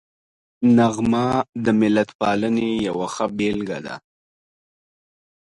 نغمه د ملتپالنې یوه ښه بېلګه ده